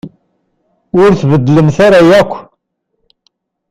Ur tbeddlemt ara akk.